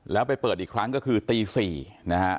แล้วไปเปิดอีกครั้งก็คือตี๔นะฮะ